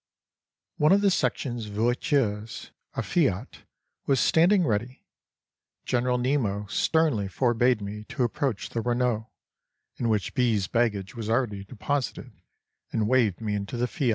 One of the section's voitures, a F.I.A.T., was standing ready. General Nemo sternly forbade me to approach the Renault (in which B.'s baggage was already deposited) and waved me into the F.I.